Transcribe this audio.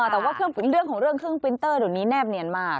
แต่ว่าเรื่องของเครื่องปริ้นเตอร์ตรงนี้แนบเนียนมาก